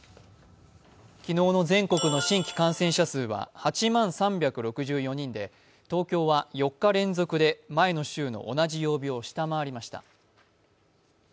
昨日の全国の新規感染者数は８万３６４人で東京は４日連続で前の週の同じ曜日を下回りました。